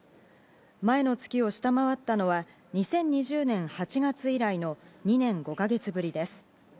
前の月を下回ったのは２０２０年８月以来の２年５か月ぶりです。